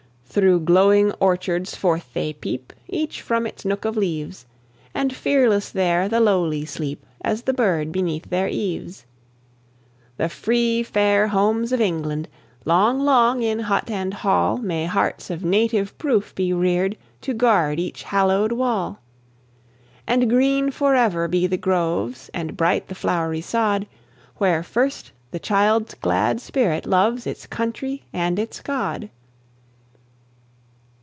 Through glowing orchards forth they peep, Each from its nook of leaves; And fearless there the lowly sleep, As the bird beneath their eaves. The free, fair homes of England! Long, long, in hut and hall May hearts of native proof be reared To guard each hallowed wall! And green forever be the groves, And bright the flowery sod, Where first the child's glad spirit loves Its country and its God!